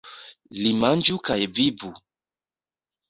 Li manĝu kaj vivu!